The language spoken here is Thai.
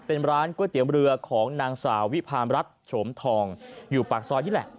เป็นร้านก๋วยเตี๋ยวเรือของนางสาววิพามรัฐโฉมทองอยู่ปากซอยนี่แหละ